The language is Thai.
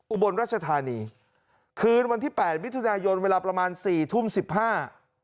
อุบลรัชธานีคืนวันที่แปดมิถุนายนเวลาประมาณสี่ทุ่มสิบห้า